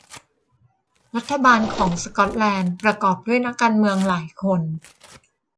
รัฐบาลของสกอตแลนด์ประกอบด้วยนักการเมืองหลายคน